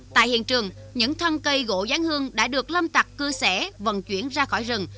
tại hiện trường những thân cây gỗ gián hương đã được lâm tạc cư xẻ vận chuyển ra khỏi rừng